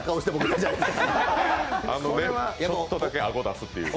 ちょっとだけ顎出すっていう。